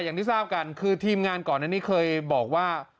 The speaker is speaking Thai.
อย่างที่ทิ้งงานก่อนแม่นี่เคยบอกว่า